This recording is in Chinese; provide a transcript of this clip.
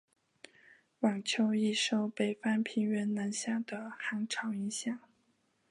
晚秋易受北方平原南下的寒潮影响。